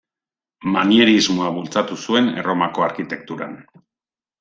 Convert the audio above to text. Manierismoa bultzatu zuen Erromako arkitekturan.